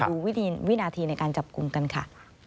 วินาทีในการจับกลุ่มกันค่ะ